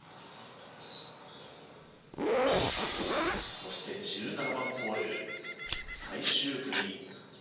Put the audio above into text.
そして１７番ホール最終組。